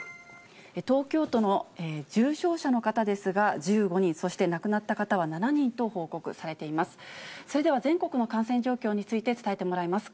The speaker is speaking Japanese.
東京都の重症者の方ですが１５人、そして亡くなった方は７人と報告されています。